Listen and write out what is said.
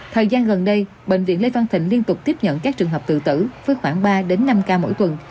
thời gian gần đây bệnh viện lê văn thịnh liên tục tiếp nhận các trường hợp tự tử với khoảng ba năm ca mỗi tuần